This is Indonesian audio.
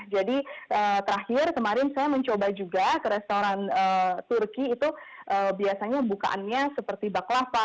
jadi terakhir kemarin saya mencoba juga ke restoran turki itu biasanya bukaannya seperti baklava